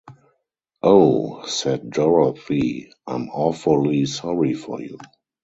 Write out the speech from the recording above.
"Oh," said Dorothy; "I'm awfully sorry for you."